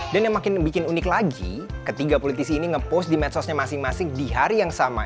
yang makin bikin unik lagi ketiga politisi ini ngepost di medsosnya masing masing di hari yang sama